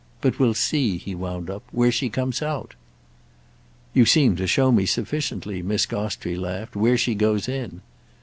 But we'll see," he wound up, "where she comes out." "You seem to show me sufficiently," Miss Gostrey laughed, "where she goes in!